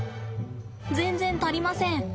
全然足りません。